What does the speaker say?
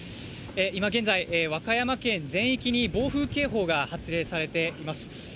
今現在、和歌山県全域に暴風警報が発令されています。